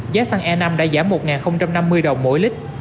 giá xăng e năm đã giảm một năm mươi đồng mỗi lít